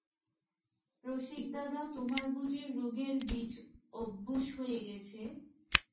রসিকদাদা, তোমার বুঝি রোগের বীজ অভ্যেস হয়ে গেছে?